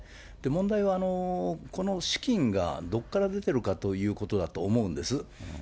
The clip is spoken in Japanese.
問題はこの資金がどこから出てるかということだと思うんです。